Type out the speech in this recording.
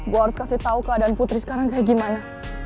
gue harus kasih tahu keadaan putri sekarang kayak gimana